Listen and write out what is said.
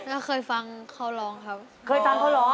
อะอยฟังเขาร้องครับ